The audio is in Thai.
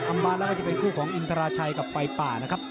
อำนาจแล้วก็จะเป็นคู่ของอินทราชัยกับไฟป่านะครับ